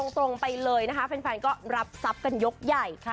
ตรงไปเลยนะคะแฟนก็รับทรัพย์กันยกใหญ่